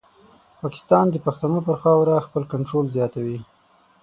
پاکستان د پښتنو پر خاوره خپل کنټرول زیاتوي.